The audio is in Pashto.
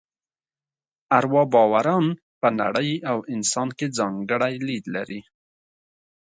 اروا باوران په نړۍ او انسان کې ځانګړی لید لري.